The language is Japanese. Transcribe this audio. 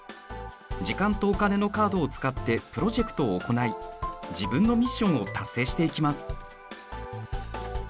時間とお金のカードを使ってプロジェクトを行い自分のミッションを達成していきます。